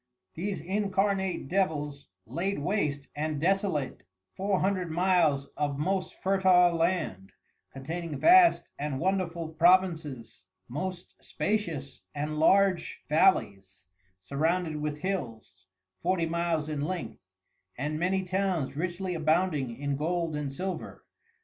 These incarnate Devils laid waste and desolate Four Hundred miles of most Fertile Land, containing vast and wonderful Provinces, most spatious and large Valleys surrounded with Hills, forty Miles in Length, and many Towns richly abounding in Gold and Silver.